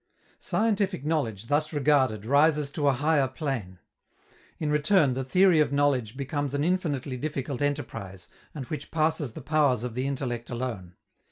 Scientific knowledge, thus regarded, rises to a higher plane. In return, the theory of knowledge becomes an infinitely difficult enterprise, and which passes the powers of the intellect alone.